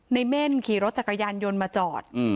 เม่นขี่รถจักรยานยนต์มาจอด